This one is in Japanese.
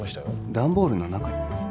段ボールの中に？